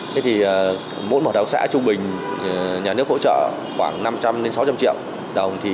thế thì mỗi một hợp tác xã trung bình nhà nước hỗ trợ khoảng năm trăm linh sáu trăm linh triệu đồng